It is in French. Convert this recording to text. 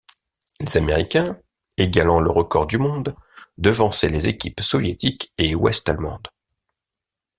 Les Américains, égalant le record du monde, devançaient les équipes soviétique et ouest-allemande.